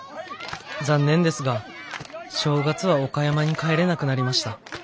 残念ですが正月は岡山に帰れなくなりました。